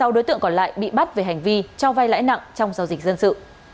sáu đối tượng còn lại bị bắt về hành vi cho vay lãi nặng trong giao dịch dân sự